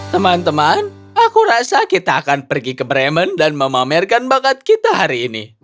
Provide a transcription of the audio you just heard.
teman teman aku rasa kita akan pergi ke bremen dan memamerkan bakat kita hari ini